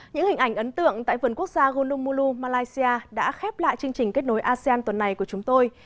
những hình ảnh ấn tượng tại vườn quốc gia golum mulou malaysia đã khép lại chương trình kết nối asean tuần này của chúng tôi